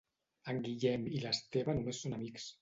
En Guillem i l'Esteve només són amics.